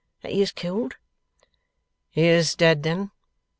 That he is killed?' 'He is dead, then!